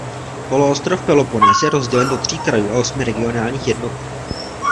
Poloostrov Peloponés je rozdělen do tří krajů a osmi regionálních jednotek.